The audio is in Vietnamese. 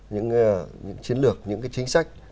những chiến lược những cái chính sách